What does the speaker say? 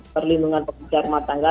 perlindungan pekerja rumah tangga